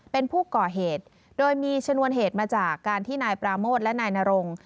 เป็นผู้ก่อเหตุโดยมีชนวนเหตุมาจากการที่นายปราโมทและนายนรง